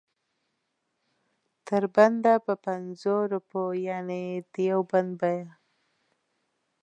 تر بنده په پنځو روپو یعنې د یو بند بیه.